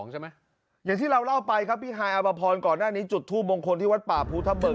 อย่างที่เราเล่าไปครับพี่ฮายอาบพรก่อนหน้านี้จุดทูปมงคลที่วัดป่าภูทะเบิก